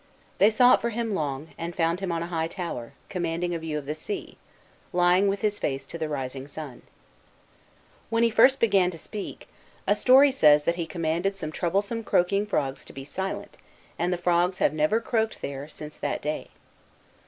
They sought for him long, and then found him on a high tower, com manding a view of the sea, lying with his face to the rising sun. When he first began to speak, a B.C. 31.] MAKK ANTONY. 195 story says, that he commanded some troublesome croaking frogs, to be silent, and the frogs have never croaked there since that day.